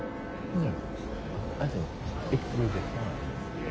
うん？